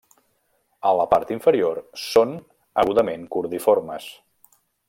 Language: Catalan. A la part inferior, són agudament cordiformes.